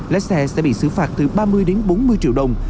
lé xe sẽ bị xử phạt từ ba mươi đến bốn mươi triệu đồng